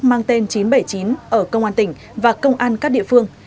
mang tên chín trăm bảy mươi chín ở công an tỉnh và công an các địa phương